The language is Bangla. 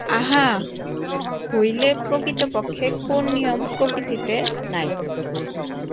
তাহা হইলে প্রকৃতপক্ষে কোন নিয়ম প্রকৃতিতে নাই।